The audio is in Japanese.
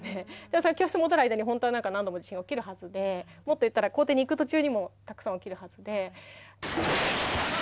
それ、教室戻る間に本当はなんか何度も地震が起きるはずで、もっと言ったら、校庭に行く途中にもたくさん起きるはずで。